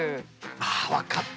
あ分かった。